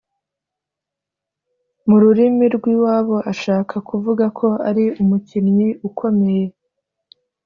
mu rurimi rw’iwabo ashaka kuvuga ko ari umukinnyi ukomeye